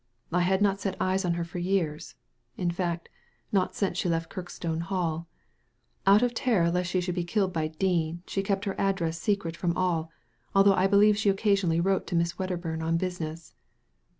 *'I had not set eyes on her for years — in fact, not since she left Kirkstone Hall. Out of terror lest she should be killed by Dean, she kept her address secret from all, although I believe she occasionally wrote to Miss Wedderbum on business."